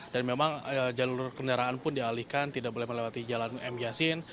dan memang jalur kendaraan pun dialihkan tidak boleh melewati jalan m yasin